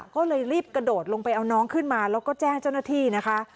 ก็เลยรีบกระโดดลงไปเอาน้องขึ้นมาแล้วก็แจ้งเจ้าหน้าที่นะคะ